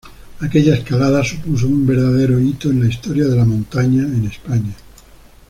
Aquella escalada supuso un verdadero hito en la historia de la montaña en España.